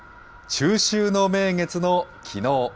中秋の名月のきのう。